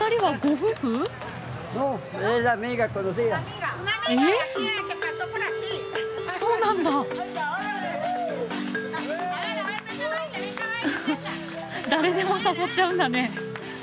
ふふ誰でも誘っちゃうんだね。